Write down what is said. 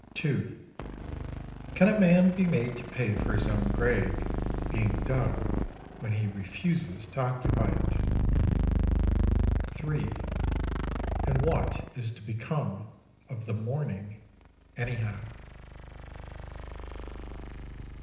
II. Can a man be made to pay for his own grave being dug when he refuses to occupy it? III. And what is to become of the mourning anyhow?